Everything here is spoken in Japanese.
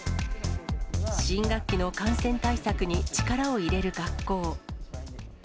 新学期の感染対策に力を入れる学校。